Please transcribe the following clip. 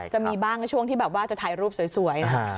จะมีบ้างช่วงที่แบบว่าจะถ่ายรูปสวยนะ